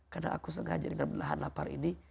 karena aku sengaja dengan menahan lapar ini